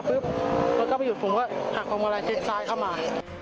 พวกเขาไปหยุดฝุ่งก็หักความเมล็ดเส้นทางซ้ายเข้ามา